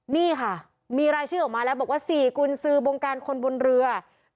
นี่ค่ะมีรายชื่อออกมาแล้วบอกว่า๔กุญสือบงการคนบนเรือ